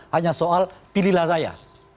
hanya soal pilihlah saya